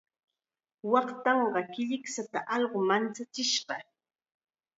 Waatanqaa killikshata allqu manchachishqa.